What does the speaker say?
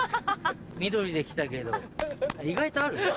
緑で来たけど意外とあるね。